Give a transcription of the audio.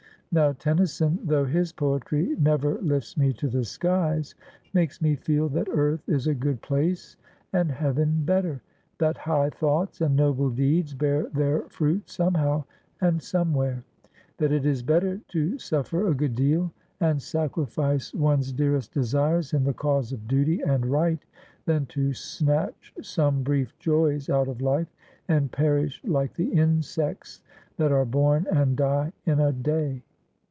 Now, Tennyson, though his poetry never lifts me to the skies, makes me feel that earth is a good place and heaven better ; that high thoughts and noble deeds bear their fruit somehow, and somewhere ; that it is better to suffer a good deal, and sacrifice one's dearest desires in the cause of duty and right, than to snatch some brief joys out of life, and perish like the insects that are born and die in a day.'